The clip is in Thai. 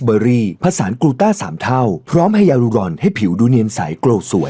แบบที่อย่างที่เรียกได้ดีไหม